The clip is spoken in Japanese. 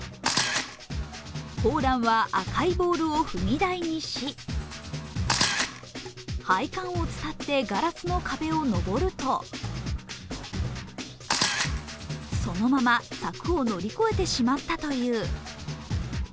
萌蘭は赤いボールを踏み台にし、配管を伝ってガラスの壁を登ると、そのまま柵を乗り越えてしまったという。